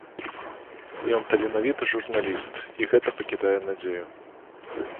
Ён таленавіты журналіст, і гэта пакідае надзею.